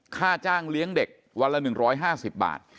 ค่าจ้างเลี้ยงเด็กวันละ๑๕๐บาท